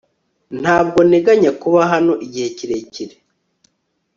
Ntabwo nteganya kuba hano igihe kirekire